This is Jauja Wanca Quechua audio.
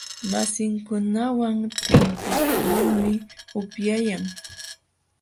Masinkunawan tinkuqlulmi upyayan.